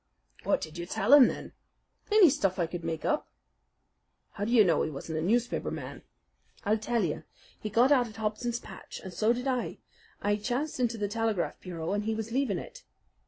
"What did you tell him, then?" "Any stuff I could make up." "How do you know he wasn't a newspaper man?" "I'll tell you. He got out at Hobson's Patch, and so did I. I chanced into the telegraph bureau, and he was leaving it.